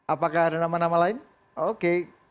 apakah ada nama nama lain oke